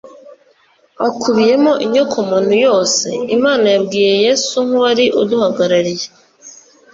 akubiyemo inyokomuntu yose. Imana yabwiye Yesu nk'uwari uduhagarariye.